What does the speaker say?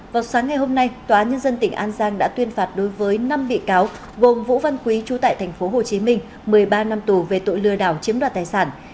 vào sáng ngày hôm nay tòa nhân dân tỉnh an giang đã tuyên phạt đối với năm bị cáo gồm vũ văn quý chú tại tp hcm một mươi ba năm tù về tội lừa đảo chiếm đoạt tài sản